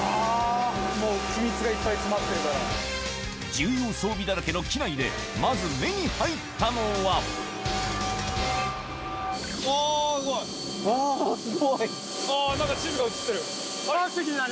重要装備だらけの機内でまず目に入ったのはわぁすごい！